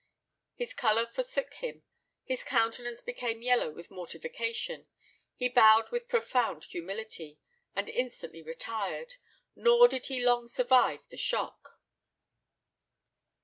His colour forsook him his countenance became yellow with mortification he bowed with profound humility, and instantly retired, nor did he long survive the shock!"